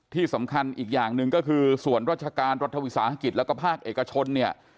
ที่สำคัญอีกอย่างหนึ่งก็คือส่วนราชการรัฐวิสาหกิจแล้วก็ภาคเอกชนเนี่ย